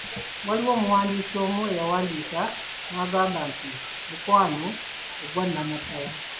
Waliwo omuwandiisi omu eyawandiika nga agamba nti "Omukwano ogwa Nnamaddala"